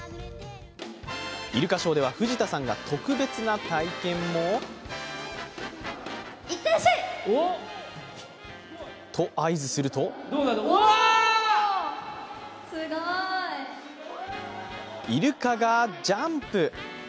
イルカショーでは藤田さんが特別な体験もと合図するとイルカがジャンプ。